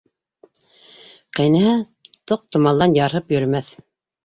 Ҡәйнәһе тоҡтомалдан ярһып йөрөмәҫ.